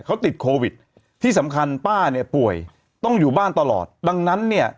เขาติดโควิดที่สำคัญป้าเนี่ยป่วยต้องอยู่บ้านตลอดดังนั้นเนี่ย